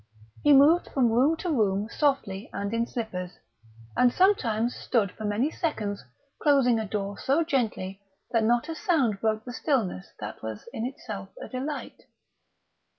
He moved from room to room softly and in slippers, and sometimes stood for many seconds closing a door so gently that not a sound broke the stillness that was in itself a delight.